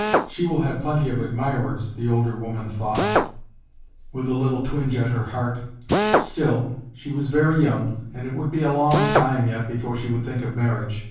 "She will have plenty of admirers," the older woman thought, with a little twinge at her heart. Still, she was very young, and it would be a long time yet before she would think of marriage.